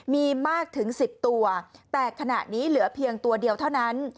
มีมากถึง๑๐ตัวแต่ขณะนี้เหลือเพียงตัวเดียวเท่านั้น